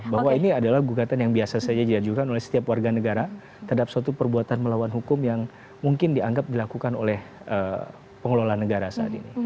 bahwa ini adalah gugatan yang biasa saja diajukan oleh setiap warga negara terhadap suatu perbuatan melawan hukum yang mungkin dianggap dilakukan oleh pengelola negara saat ini